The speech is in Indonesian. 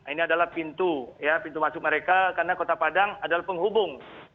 ini adalah pintu ya pintu masuk mereka karena kota padang adalah penghubung